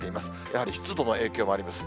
やはり湿度の影響もあります。